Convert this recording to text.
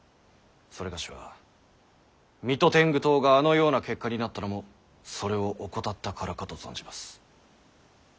某は水戸天狗党があのような結果になったのもそれを怠ったからかと存じます。